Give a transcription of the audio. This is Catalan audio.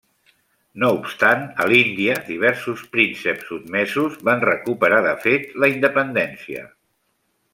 No obstant a l'Índia diversos prínceps sotmesos van recuperar de fet la independència.